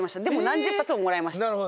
でも何十発ももらいました。